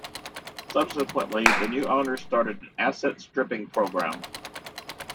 Subsequently the new owners started an asset-stripping programme.